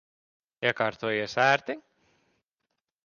Iekārtojies ērti?